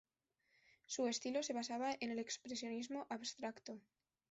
Su estilo se basaba en el expresionismo abstracto.